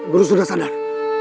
guru sudah sadar